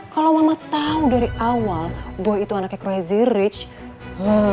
kalau mama tahu dari awal gue itu anaknya crazy rich